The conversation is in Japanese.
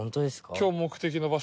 今日目的の場所が。